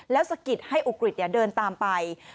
แล้วสะกิดให้อุกฤษเดินตามไป